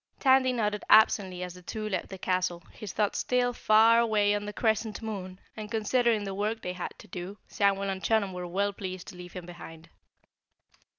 Tandy nodded absently as the two left the castle, his thoughts still far away on the Crescent Moon, and considering the work they had to do, Samuel and Chunum were well pleased to leave him behind.